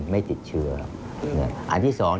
ไม่ติดเชื้ออันที่๒